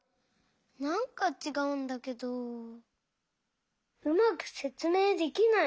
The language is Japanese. なんかちがうんだけどうまくせつめいできない。